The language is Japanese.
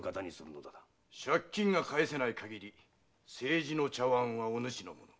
借金が返せない限り青磁の茶碗はお主のもの。